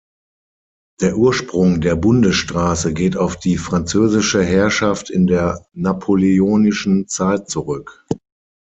Der Ursprung der Bundesstraße geht auf die französische Herrschaft in der napoleonischen Zeit zurück.